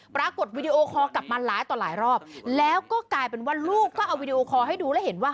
วีดีโอคอลกลับมาหลายต่อหลายรอบแล้วก็กลายเป็นว่าลูกก็เอาวีดีโอคอลให้ดูแล้วเห็นว่า